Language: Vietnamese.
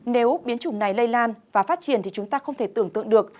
nếu biến chủng này lây lan và phát triển thì chúng ta không thể tưởng tượng được